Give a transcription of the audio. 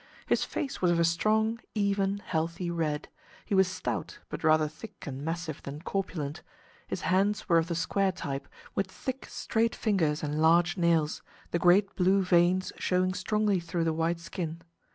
His face was of a strong, even, healthy red; he was stout, but rather thick and massive than corpulent; his hands were of the square type, with thick straight fingers and large nails, the great blue veins showing strongly through the white skin.